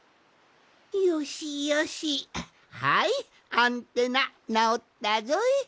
アンテナなおったぞい。